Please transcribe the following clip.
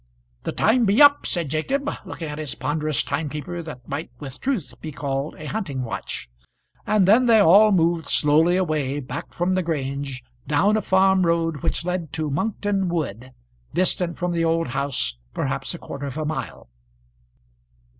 "The time be up," said Jacob, looking at a ponderous timekeeper that might with truth be called a hunting watch; and then they all moved slowly away back from the Grange, down a farm road which led to Monkton Wood, distant from the old house perhaps a quarter of a mile.